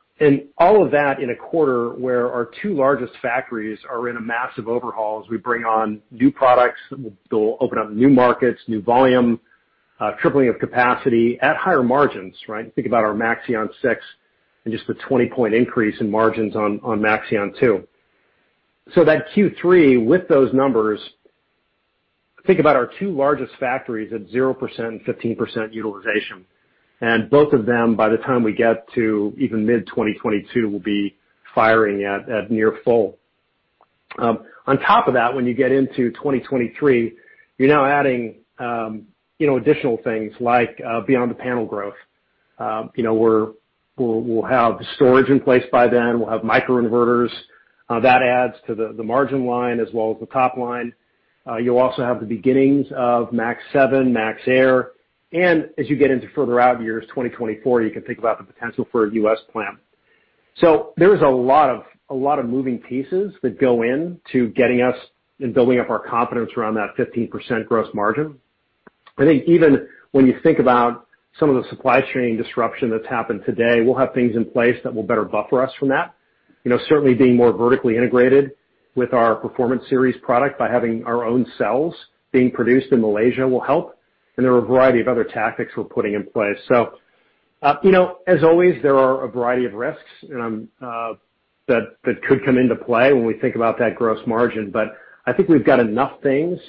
All of that in a quarter where our two largest factories are in a massive overhaul as we bring on new products that will open up new markets, new volume, tripling of capacity at higher margins, right? Think about our Maxeon 6 and just the 20-point increase in margins on Maxeon 2. That Q3, with those numbers, think about our two largest factories at 0% and 15% utilization, and both of them, by the time we get to even mid-2022, will be firing at near full. On top of that, when you get into 2023, you're now adding, additional things like Beyond the Panel growth. You know, we'll have storage in place by then. We'll have microinverters that adds to the margin line as well as the top line. You'll also have the beginnings of Maxeon 7, Maxeon Air. As you get into further out years, 2024, you can think about the potential for a U.S. plant. There's a lot of moving pieces that go in to getting us and building up our confidence around that 15% gross margin. I think even when you think about some of the supply chain disruption that's happened today, we'll have things in place that will better buffer us from that. You know, certainly being more vertically integrated with our Performance Series product by having our own cells being produced in Malaysia will help. There are a variety of other tactics we're putting in place. You know, as always, there are a variety of risks that could come into play when we think about that gross margin. I think we've got enough things,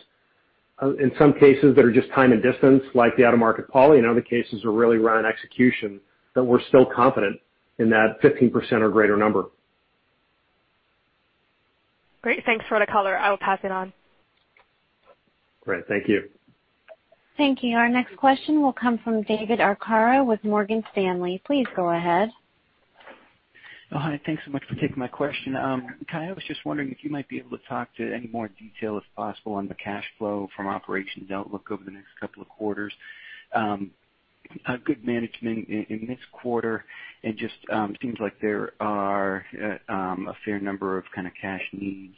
in some cases that are just time and distance, like the out-of-market poly, and other cases are really around execution, that we're still confident in that 15% or greater number.
Great. Thanks for the color. I will pass it on.
Great. Thank you.
Thank you. Our next question will come from David Arcaro with Morgan Stanley. Please go ahead.
Oh, hi. Thanks so much for taking my question. Kai, I was just wondering if you might be able to talk to any more detail, if possible, on the cash flow from operations outlook over the next couple of quarters. You had good momentum in this quarter, and just seems like there are a fair number of kind of cash needs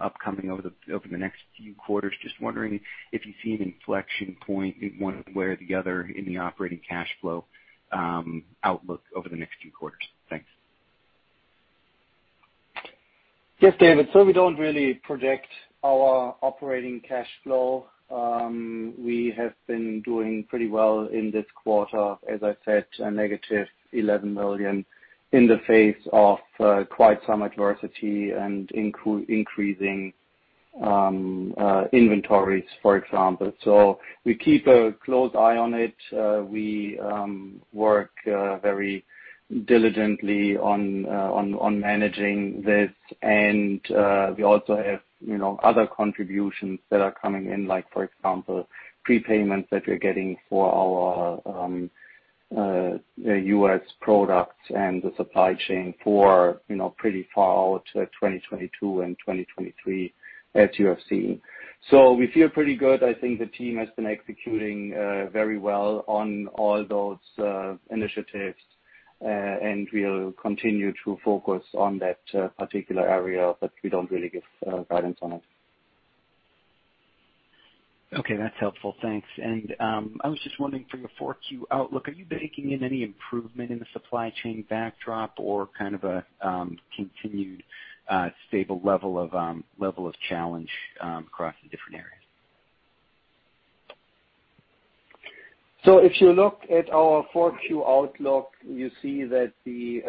upcoming over the next few quarters. Just wondering if you see an inflection point in one way or the other in the operating cash flow outlook over the next few quarters. Thanks.
Yes, David. We don't really project our operating cash flow. We have been doing pretty well in this quarter. As I said, a negative $11 million in the face of quite some adversity and increasing inventories, for example. We keep a close eye on it. We work very diligently on managing this. We also have, other contributions that are coming in, like for example, prepayments that we're getting for our U.S. products and the supply chain for, pretty far out, 2022 and 2023, as you have seen. We feel pretty good. I think the team has been executing very well on all those initiatives, and we'll continue to focus on that particular area, but we don't really give guidance on it.
Okay, that's helpful. Thanks. I was just wondering for your 4Q outlook, are you baking in any improvement in the supply chain backdrop or kind of a continued stable level of challenge across the different areas?
If you look at our Q4 outlook, you see that the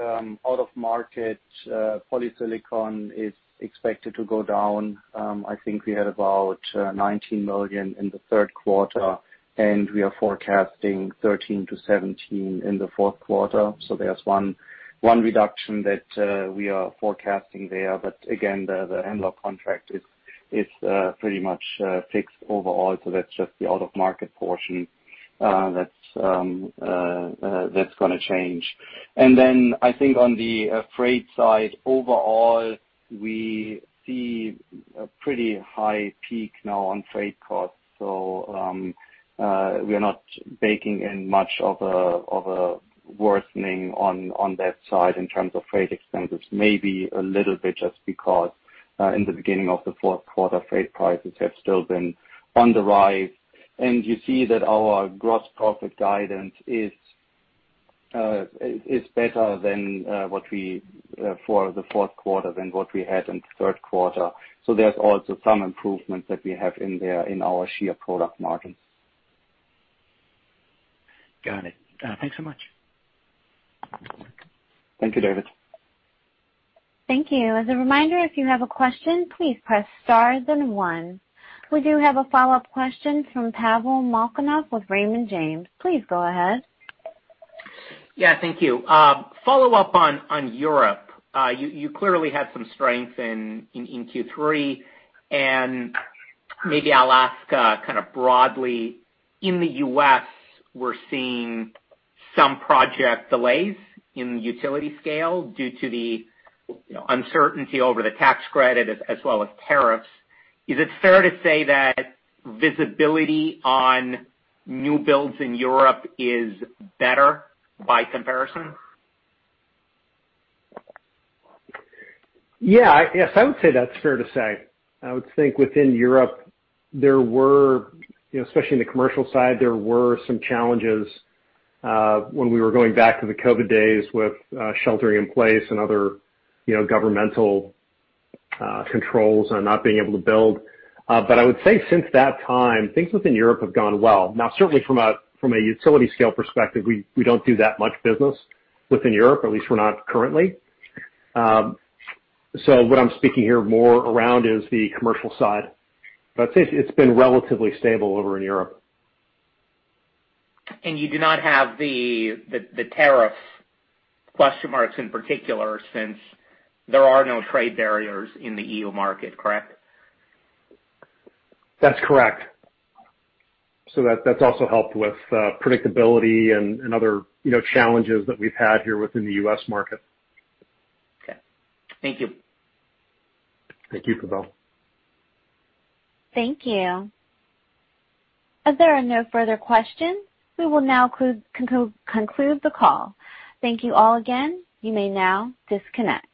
out-of-market polysilicon is expected to go down. I think we had about $19 million in Q3, and we are forecasting $13 million-$17 million in Q4. There's one reduction that we are forecasting there. Again, the envelope contract is pretty much fixed overall, so that's just the out-of-market portion that's gonna change. I think on the freight side, overall, we see a pretty high peak now on freight costs. We are not baking in much of a worsening on that side in terms of freight expenses. Maybe a little bit just because in the beginning of the Q4, freight prices have still been on the rise. You see that our gross profit guidance is better than what we had for the Q4 than what we had in the Q3. There's also some improvements that we have in there in our higher product margins.
Got it. Thanks so much.
Thank you, David.
Thank you. As a reminder, if you have a question, please press star then one. We do have a follow-up question from Pavel Molchanov with Raymond James. Please go ahead.
Yeah, thank you. Follow up on Europe. You clearly had some strength in Q3. Maybe I'll ask, kind of broadly, in the U.S., we're seeing some project delays in utility scale due to the uncertainty over the tax credit as well as tariffs. Is it fair to say that visibility on new builds in Europe is better by comparison?
Yeah. Yes, I would say that's fair to say. I would think within Europe, there were, especially in the commercial side, there were some challenges, when we were going back to the COVID days with, sheltering in place and other, governmental, controls and not being able to build. But I would say since that time, things within Europe have gone well. Now, certainly from a utility scale perspective, we don't do that much business within Europe, or at least we're not currently. So, what I'm speaking here more around is the commercial side. But I'd say it's been relatively stable over in Europe.
You do not have the tariffs questions in particular since there are no trade barriers in the EU market, correct?
That's correct. That's also helped with predictability and other, challenges that we've had here within the U.S. market.
Okay. Thank you.
Thank you, Pavel.
Thank you. As there are no further questions, we will now conclude the call. Thank you all again. You may now disconnect.